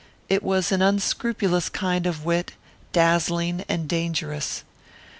It was an unscrupulous kind of wit, dazzling and dangerous.